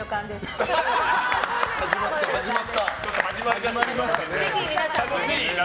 始まりましたね。